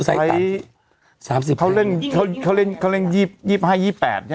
ไซส์สามสิบเขาเล่นเขาเล่นเขาเล่นยีบยีบห้ายีบแปดใช่ไหม